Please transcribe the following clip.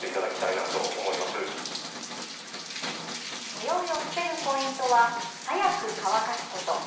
臭いを防ぐポイントは早く乾かすこと。